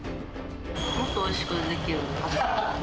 もっとおいしくできる。